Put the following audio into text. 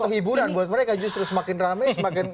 hiburan buat mereka justru semakin rame semakin